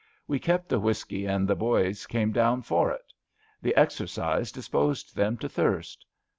We kept the whisky and the boys came down for it. The exercise dis posed them to thirst.